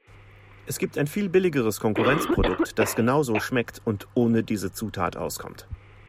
Es gibt ein viel billigeres Konkurrenzprodukt, das genauso schmeckt und ohne diese Zutat auskommt.